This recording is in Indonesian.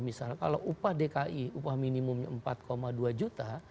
misalnya kalau upah dki upah minimumnya empat dua juta